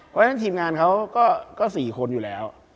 เพราะฉะนั้นทีมงานเขาก็๔คนอยู่แล้ว